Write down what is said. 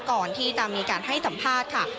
ก่อนที่จะมีการให้สัมภาษณ์ค่ะ